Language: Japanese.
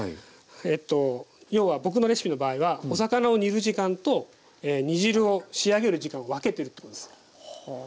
えっと要は僕のレシピの場合はお魚を煮る時間と煮汁を仕上げる時間を分けてるってことです。